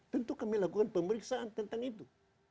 tentu kami lakukan pemeriksaan tentang itu